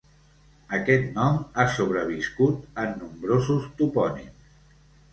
Aquest nom ha sobreviscut en nombrosos topònims.